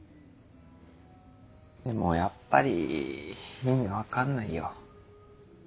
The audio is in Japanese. でもやっぱり意味分かんないよ。